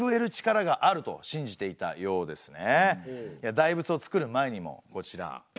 大仏を造る前にもこちら。